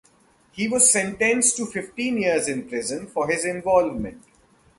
He was sentenced to fifteen years in prison for his involvement.